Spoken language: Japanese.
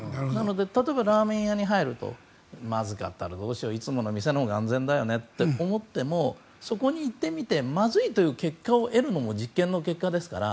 例えば、ラーメン屋に入る時まずかったらどうしよういつもの店のほうが安全だよねと思ってもそこに行ってみてまずいという結果を得るのも実験の結果ですから。